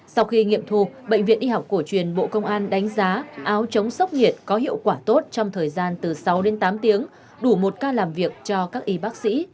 sau khi nghiệm thu bệnh viện y học cổ truyền bộ công an đánh giá áo chống sốc nhiệt có hiệu quả tốt trong thời gian từ sáu đến tám tiếng đủ một ca làm việc cho các y bác sĩ